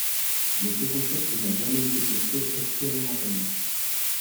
Mais ce concept n'a jamais été testé expérimentalement.